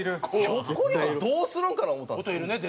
ひょっこりはんどうするんかな思ったんです。